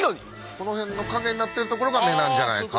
この辺の陰になってるところが目なんじゃないか？